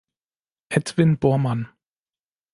Edwin Bormann